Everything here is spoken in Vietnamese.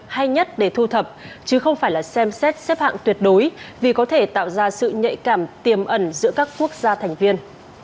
hay nhất để thu thập chứ không phải là xem xét xếp hạng tuyệt đối vì có thể tạo ra sự nhạy cảm tiềm ẩn giữa các quốc gia thành viên